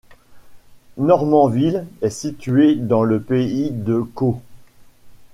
Normanville est située dans le pays de Caux.